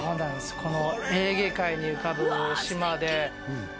このエーゲ海に浮かぶ島でわあ素敵！